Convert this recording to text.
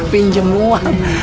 pinjam lu uang